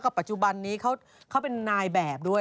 ปัจจุบันนี้เขาเป็นนายแบบด้วย